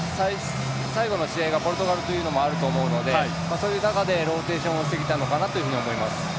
最後の試合がポルトガルというのもあると思うのでそういう中でローテーションをしてきたのかなと思います。